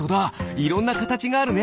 いろんなかたちがあるね。